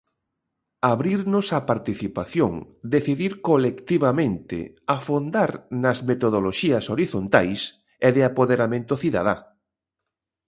Abrirnos á participación, decidir colectivamente, afondar nas metodoloxías horizontais e de apoderamento cidadá.